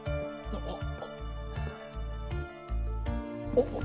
あっ。